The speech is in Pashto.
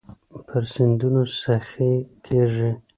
پر سیندونو سخي کیږې